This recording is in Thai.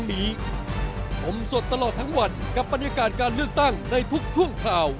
ชมสดตลอดทั้งวันกับบรรยากาศการเลือกตั้งในทุกช่วงข่าว